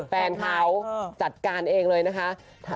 แฟนเขาจัดการเองเลยนะคะ